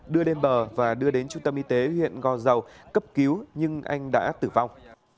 đưa lên bờ và đưa đến trung tâm y tế huyện gò dầu cấp cứu nhưng anh đã tử vong